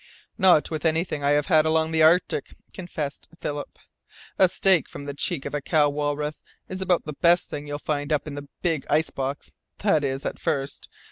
"Not with anything I have had along the Arctic," confessed Philip. "A steak from the cheek of a cow walrus is about the best thing you find up in the 'Big Icebox' that is, at first.